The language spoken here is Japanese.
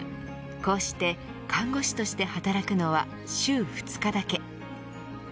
こうして、看護師として働くのは週２日だけ。